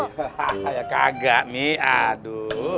haha ya kagak nih aduh